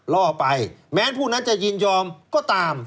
ล่อไปแม้ผู้นั้นจะยินยอมก็ตาม